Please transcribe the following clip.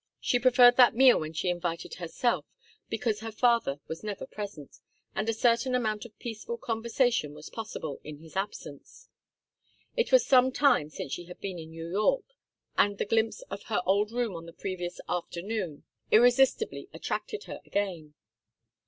She preferred that meal when she invited herself, because her father was never present, and a certain amount of peaceful conversation was possible in his absence. It was some time since she had been in New York, and the glimpse of her old room on the previous afternoon irresistibly attracted her again.